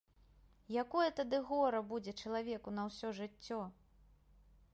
Якое тады гора будзе чалавеку на ўсё жыццё!